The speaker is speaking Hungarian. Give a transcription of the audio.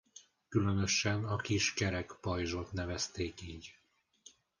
Különösen a kis kerek pajzsot nevezték így.